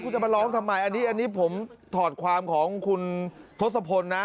คุณจะมาร้องทำไมอันนี้ผมถอดความของคุณทศพลนะ